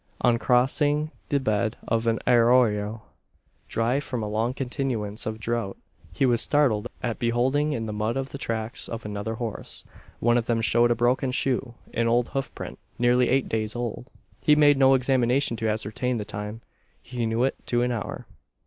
On crossing the bed of an arroyo dry from a long continuance of drought he was startled at beholding in the mud the tracks of another horse. One of them showed a broken shoe, an old hoof print, nearly eight days old. He made no examination to ascertain the time. He knew it to an hour.